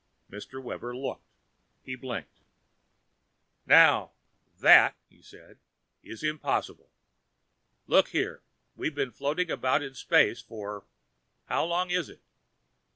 Captain Webber looked. He blinked. "Now, that," he said, "is impossible. Look here, we've been floating about in space for how long is it?"